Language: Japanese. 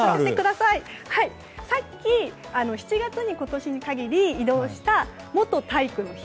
さっき、７月に今年に限り移動した元体育の日。